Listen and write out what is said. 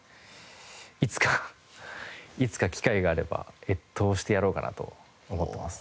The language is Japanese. いつかいつか機会があれば越冬してやろうかなと思ってます。